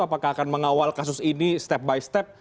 apakah akan mengawal kasus ini step by step